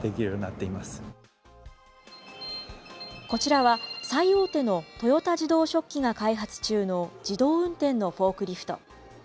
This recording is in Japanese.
こちらは最大手の豊田自動織機が開発中の自動運転のフォークリフト。